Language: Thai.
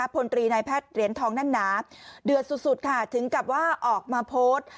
ผลตรีในแพทย์เรียนทองนั้นหนาเดือนสุดถึงกลับว่าออกมาโพสต์